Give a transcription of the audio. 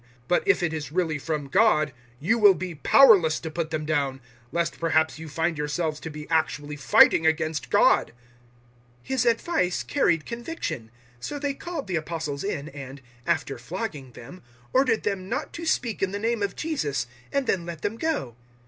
005:039 But if it is really from God, you will be powerless to put them down lest perhaps you find yourselves to be actually fighting against God." 005:040 His advice carried conviction. So they called the Apostles in, and after flogging them ordered them not to speak in the name of Jesus, and then let them go.